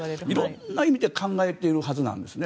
色んな意味で考えているはずなんですね。